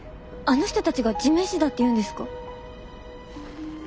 あの人たちが地面師だって言うんですか？